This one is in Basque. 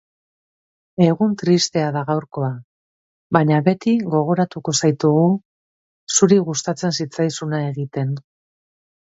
Egun tristea da gaurkoa, baina beti gogoratuko zaitugu zuri gustatzen zitzaizuna egiten.